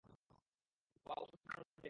Wow অসাধারণ technique.